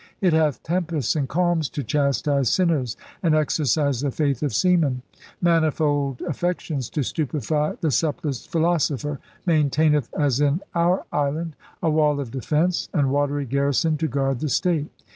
It hath tempests and calms to chastise sinners and exercise the faith of seamen; manifold affections to stupefy the subtlest philosopher, maintaineth (as in Our Island) a wall of defence and watery garrison to guard the state.